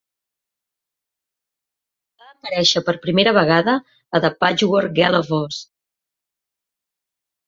Va aparèixer per primera vegada a "The Patchwork Girl of Oz".